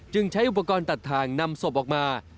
ใช้อุปกรณ์ตัดทางนำศพออกมา